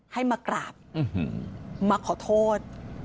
ให้มากราบมาขอโทษ